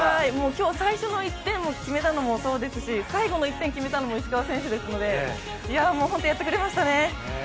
今日、最初の１点を決めたのもそうですし最後の１点を決めたのも石川選手ですのでいや、もうホントやってくれましたね。